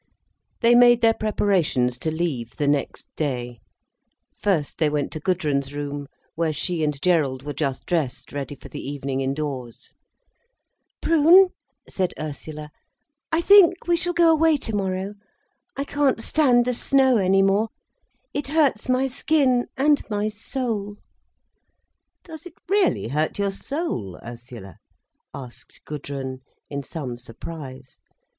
They made their preparations to leave the next day. First they went to Gudrun's room, where she and Gerald were just dressed ready for the evening indoors. "Prune," said Ursula, "I think we shall go away tomorrow. I can't stand the snow any more. It hurts my skin and my soul." "Does it really hurt your soul, Ursula?" asked Gudrun, in some surprise.